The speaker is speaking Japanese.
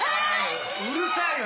うるさいよ！